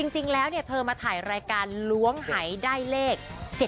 จริงแล้วเธอมาถ่ายรายการล้วงหายได้เลข๗๗